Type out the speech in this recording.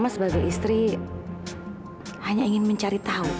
saya hanya ingin mencari tahu